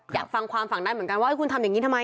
อยากฟังความฝั่งนั้นเหมือนกันว่าคุณทำอย่างนี้ทำไม